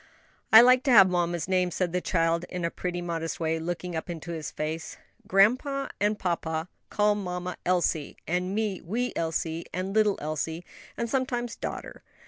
"I like to have mamma's name," said the child, in a pretty, modest way, looking up into his face. "Grandpa and papa call mamma Elsie, and me wee Elsie and little Elsie, and sometimes daughter.